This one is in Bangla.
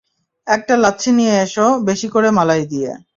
একটা লাচ্ছি নিয়ে এসো, বেশি করে মালাই দিয়ে।